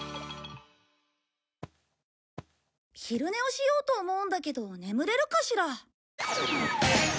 昼寝をしようと思うんだけど眠れるかしら？